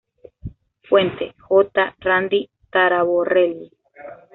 Fuente: J. Randy Taraborrelli